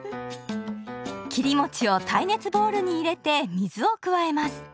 切り餅を耐熱ボウルに入れて水を加えます。